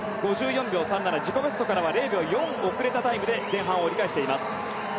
自己ベストからは０秒４遅れたタイムで前半折り返している。